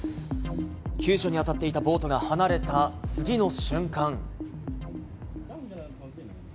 救助に当たっていたボートが離れた次の瞬間。